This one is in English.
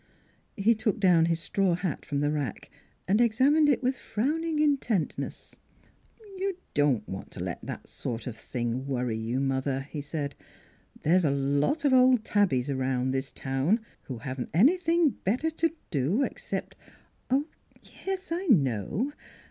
He took down his straw hat from the rack and examined it with frowning intentness. " You don't want to let that sort of thing worry you, mother," he said. ' There's a lot of old tabbies around this town, who haven't anything else to do except "" Yes, I know.